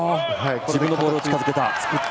自分のボールを近づけた。